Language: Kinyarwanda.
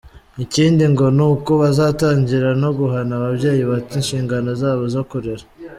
Ikindi ngo ni uko bazatangira no guhana ababyeyi bata inshingano zabo zo kurera.